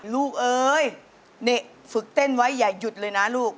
เอ้ยนี่ฝึกเต้นไว้อย่าหยุดเลยนะลูก